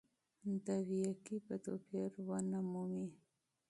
دا وییکې به توپیر ونه مومي.